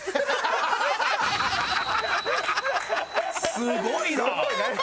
すごいな！